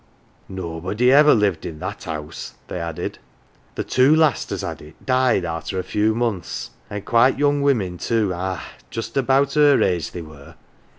" Nobody ever lived in that house, 11 they added ;" the two last as had it died arter a few months, an 1 quite young women too ah, just about her age they were.